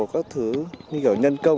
các thứ như kiểu nhân công